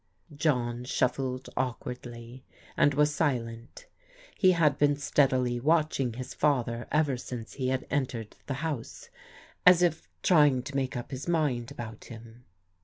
John shuffled awkwardly, and was silent. He had been steadily watching his father ever since he had entered the house, as if trying to make up his mind about him.